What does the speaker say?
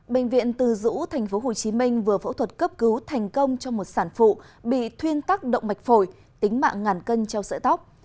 bệnh viện từ dũ tp hcm vừa phẫu thuật cấp cứu thành công cho một sản phụ bị thuyên tắc động mạch phổi tính mạng ngàn cân treo sợi tóc